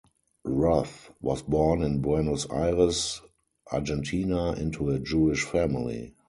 Roth was born in Buenos Aires, Argentina into a Jewish family.